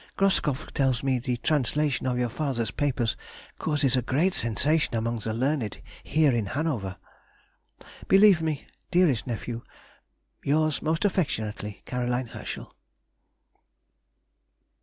Groskopf tells me the translation of your father's papers causes a great sensation among the learned here in Hanover. Believe me, dearest nephew, Yours, most affectionately, C. HERSCHEL.